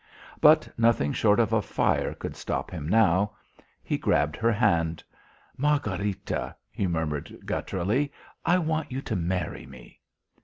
But nothing short of a fire could stop him now. He grabbed her hand. "Margharita," he murmured gutturally, "I want you to marry me."